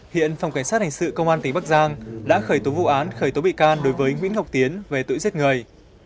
hiện phòng cảnh sát hình sự công an tỉnh bắc giang đã khởi tố vụ án khởi tố bị can đối với nguyễn ngọc tiến về tội giết người